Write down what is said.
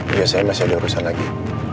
biasanya masih ada urusan lagi